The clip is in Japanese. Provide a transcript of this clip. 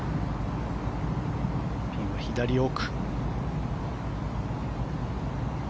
ピンは左奥。